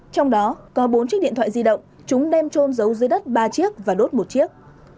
trong đó có bốn chiếc điện thoại di động chúng đem trôn giấu dưới đất ba chiếc và đốt một chiếc